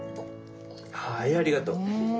はいありがとう。ねえ。